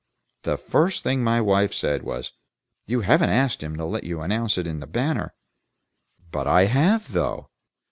The first thing my wife said was, "You haven't asked him to let you announce it in the Banner?" "But I have, though!"